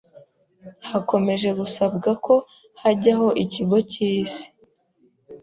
hakomeje gusabwa ko hajyaho ikigo cy'isi